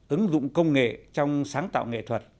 ứng dụng công nghệ trong sáng tạo nghệ thuật